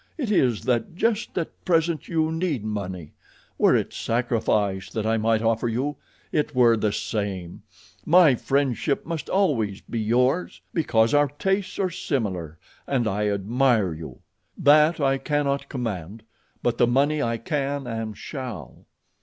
It is that just at present you need money; were it sacrifice that I might offer you it were the same—my friendship must always be yours, because our tastes are similar, and I admire you. That I cannot command, but the money I can and shall."